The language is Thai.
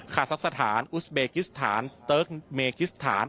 ขสสถานอุสเบกิสถานตุรกิสถัณอสเบกิสถาน